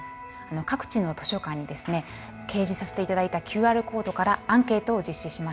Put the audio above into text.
各地の図書館に掲示させて頂いたＱＲコードからアンケートを実施しました。